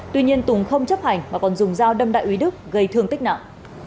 tuy nhiên tùng không chấp hành mà còn dùng dao đâm đại úy đức gây thương tích nặng